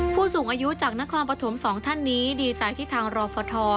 ผู้สูงอายุจากนครปฐมสองท่านนี้ดีใจที่ทางรฟท